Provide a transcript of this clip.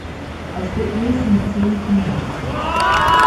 Aus der Ehe sind zehn Kinder bekannt.